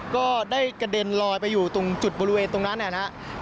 ก็ได้กระเด็นลอยไปอยู่ตรงจุดบริเวณตรงนั้นนะครับ